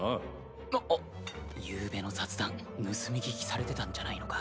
ゆうべの雑談盗み聞きされてたんじゃないのか？